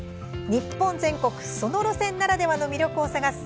日本全国その路線ならではの魅力を探す